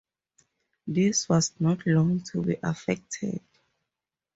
This was not long to be effected.